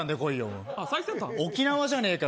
沖縄じゃねえかよ。